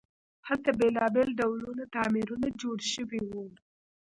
هلته بیلابیل ډوله تعمیرونه جوړ شوي وو.